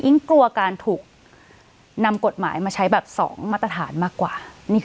กลัวการถูกนำกฎหมายมาใช้แบบ๒มาตรฐานมากกว่า